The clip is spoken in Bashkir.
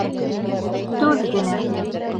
Түҙ генә!